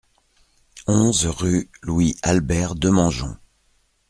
onze rue Louis Albert Demangeon